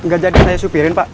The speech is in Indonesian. gak jadi saya supirin pak